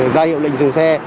giai hiệu lệnh dừng xe